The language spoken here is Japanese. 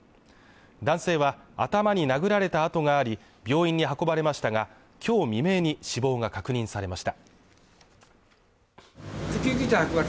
男性は頭に殴られた痕があり、病院に運ばれましたが、今日未明に死亡が確認されました。